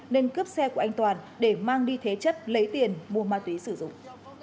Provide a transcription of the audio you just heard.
nên cướp xe của anh toàn để mang đi thế chất lấy tiền mua ma túy sử dụng